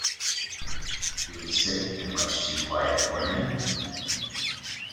He was sick, and much too quiet for him.